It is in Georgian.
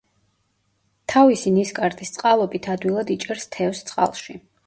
თავისი ნისკარტის წყალობით ადვილად იჭერს თევზს წყალში.